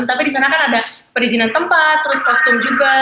tapi di sana kan ada perizinan tempat terus kostum juga